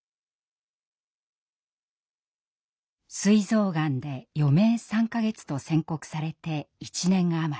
膵臓がんで余命３か月と宣告されて１年余り。